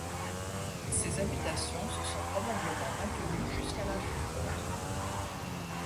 Ces habitations se sont probablement maintenues jusqu'à l'âge du bronze.